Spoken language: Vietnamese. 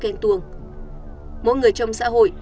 ghen tuồng mỗi người trong xã hội